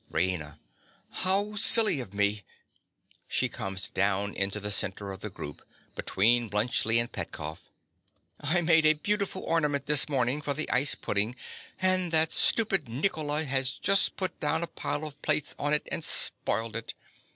_) RAINA. How silly of me! (She comes down into the centre of the group, between Bluntschli and Petkoff) I made a beautiful ornament this morning for the ice pudding; and that stupid Nicola has just put down a pile of plates on it and spoiled it.